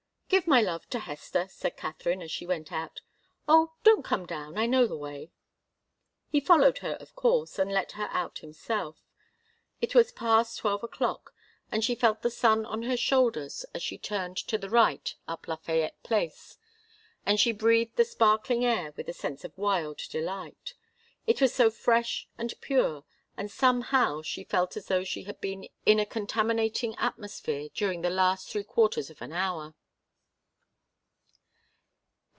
"Give my love to Hester," said Katharine, as she went out. "Oh, don't come down; I know the way." He followed her, of course, and let her out himself. It was past twelve o'clock, and she felt the sun on her shoulders as she turned to the right up Lafayette Place, and she breathed the sparkling air with a sense of wild delight. It was so fresh and pure, and somehow she felt as though she had been in a contaminating atmosphere during the last three quarters of an hour.